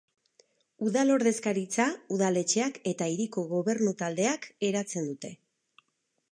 Udal ordezkaritza udaletxeak eta hiriko gobernu taldeak eratzen dute.